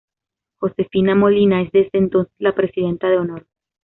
Josefina Molina es desde entonces la Presidenta de honor.